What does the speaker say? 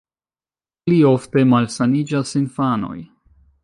Pli ofte malsaniĝas infanoj.